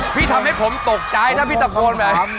พี่ทำให้ผมตกใจถ้าพี่ตะโกนแบบ